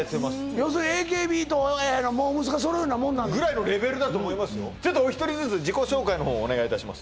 要するにＡＫＢとモー娘。が揃うようなもんなんだぐらいのレベルだと思いますよお一人ずつ自己紹介の方お願いいたします